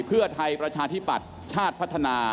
เพื่อไทยประชาธิปัตย์ชาติพัฒนา